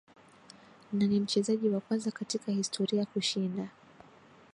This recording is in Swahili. Na ni mchezaji wa kwanza katika historia kushinda